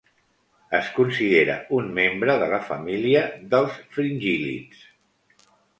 Es considera un membre de la família dels fringíl·lids.